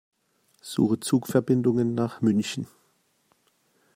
Suche Zugverbindungen nach München.